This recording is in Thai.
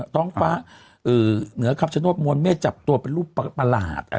ต้องฟ้าคำชนกมวลเมฆจับตัวเป็นลูกประหลาดนะฮะ